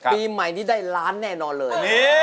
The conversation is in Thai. ปีใหม่นี้ได้ล้านแน่นอนเลย